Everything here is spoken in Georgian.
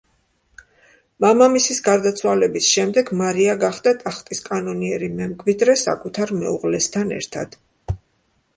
მამამისის გარდაცვალების შემდეგ მარია გახდა ტახტის კანონიერი მემკვიდრე საკუთარ მეუღლესთან ერთად.